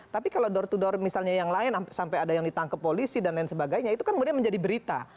tapi kalau door to door misalnya yang lain sampai ada yang ditangkap polisi dan lain sebagainya itu kan kemudian menjadi berita